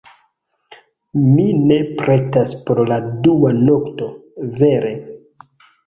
Mi ne pretas por la dua nokto, vere.